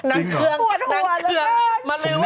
น้องเคืองน้องเคือง